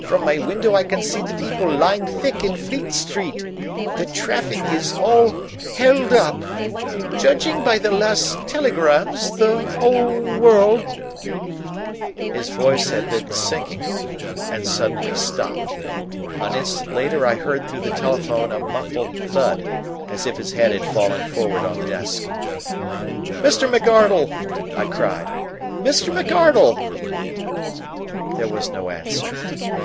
From my window I can see the people lying thick in Fleet Street. The traffic is all held up. Judging by the last telegrams, the whole world " His voice had been sinking, and suddenly stopped. An instant later I heard through the telephone a muffled thud, as if his head had fallen forward on the desk. "Mr. McArdle!" I cried. "Mr. McArdle!" There was no answer.